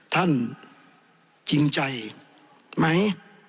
ท่านจริงใจไหม